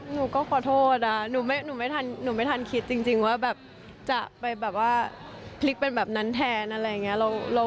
หนูก็ขอโทษหนูไม่ทันคิดจริงว่าแบบจะไปแบบว่าพลิกเป็นแบบนั้นแทนอะไรอย่างนี้